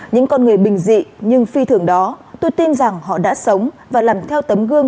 những con người bình dị nhưng phi thường đó tôi tin rằng họ đã sống và làm theo tấm gương